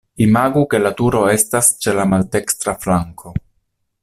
Imagu ke la turo estas ĉe la maldekstra flanko.